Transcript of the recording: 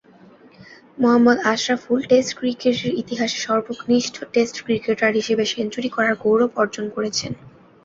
Mohammad Ashraful test ক্রিকেটের ইতিহাসে সর্বকনিষ্ঠ টেস্ট ক্রিকেটার হিসেবে সেঞ্চুরি করার গৌরব অর্জন করেন।